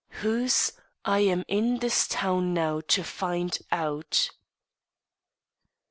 WHOSE, I AM IN THIS TOWN NOW TO FIND OUT."